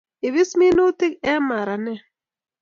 Ipis minutik eng maranet